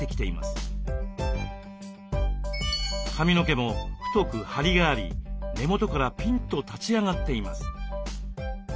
髪の毛も太くハリがあり根元からピンと立ち上がっています。